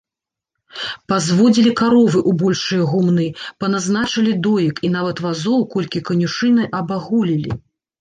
Пазводзілі каровы ў большыя гумны, паназначалі доек і нават вазоў колькі канюшыны абагулілі.